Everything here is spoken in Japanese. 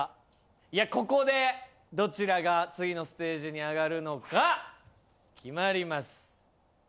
いやここでどちらが次のステージに上がるのか決まります。